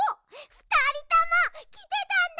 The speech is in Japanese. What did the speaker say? ふたりともきてたんだ。